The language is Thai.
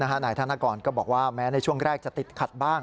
นายธนกรก็บอกว่าแม้ในช่วงแรกจะติดขัดบ้าง